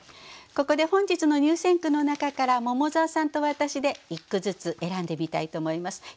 ここで本日の入選句の中から桃沢さんと私で１句ずつ選んでみたいと思います。